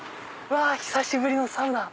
久しぶりのサウナ！